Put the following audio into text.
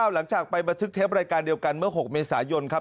หลังจากไปบันทึกเทปรายการเดียวกันเมื่อ๖เมษายนครับ